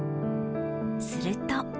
すると。